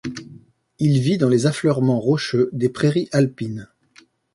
Il vit dans les affleurements rocheux des prairies alpines.